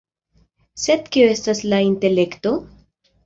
Sed kio estas la intelekto?